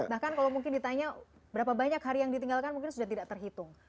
bahkan kalau mungkin ditanya berapa banyak hari yang ditinggalkan mungkin sudah tidak terhitung